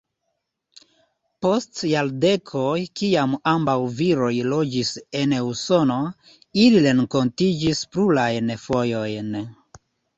Post jardekoj kiam ambaŭ viroj loĝis en Usono, ili renkontiĝis plurajn fojojn.